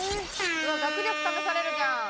学力試されるじゃん。